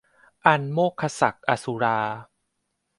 อันโมกขศักดิ์อสุรา